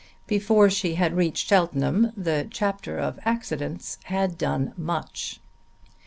Before she had reached Cheltenham the chapter of accidents had done much.